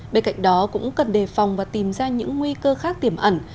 bên cạnh đó cũng cần đề phòng và tìm ra những nguy cơ khác tiềm ẩn